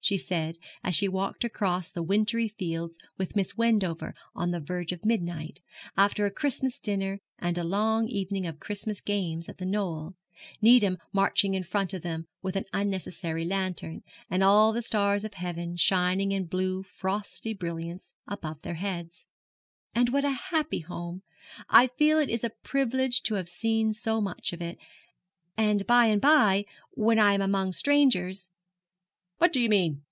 she said as she walked across the wintry fields with Miss Wendover on the verge of midnight, after a Christmas dinner and a long evening of Christmas games at The Knoll, Needham marching in front of them with an unnecessary lantern, and all the stars of heaven shining in blue frosty brilliance above their heads, 'and what a happy home! I feel it is a privilege to have seen so much of it; and by and by, when I am among strangers ' 'What do you mean?'